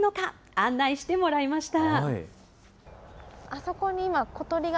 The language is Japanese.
案内してもらいました。